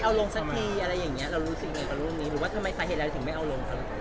เรารู้สิ่งไหนกับรูปนี้หรือว่าทำไมสาเหตุแล้วถึงไม่เอาลงครับ